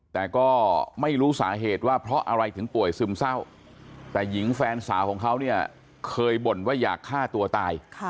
แต่ก็ไม่รู้สาเหตุว่าเพราะอะไรถึงป่วยซึมเศร้าแต่หญิงแฟนสาวของเขาเนี่ยเคยบ่นว่าอยากฆ่าตัวตาย